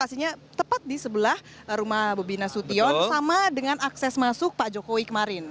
lokasinya tepat di sebelah rumah bobi nasution sama dengan akses masuk pak jokowi kemarin